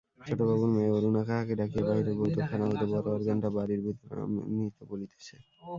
ছোটবাবুর মেয়ে অরুণা কাহাকে ডাকিয়া বাহিরের বৈঠকখানা হইতে বড় অর্গানটা বাড়ির ভিতর আনিতে বলিতেছে।